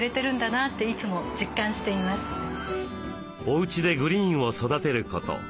おうちでグリーンを育てること。